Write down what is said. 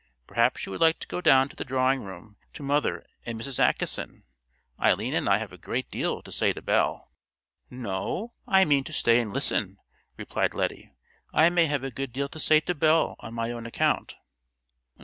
Perhaps you would like to go down to the drawing room to mother and Mrs. Acheson. Eileen and I have a great deal to say to Belle." "No, I mean to stay and listen," replied Lettie. "I may have a good deal to say to Belle on my own account."